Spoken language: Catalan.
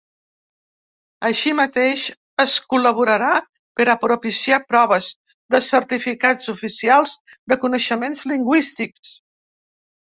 Així mateix, es col·laborarà per a propiciar proves de certificats oficials de coneixements lingüístics.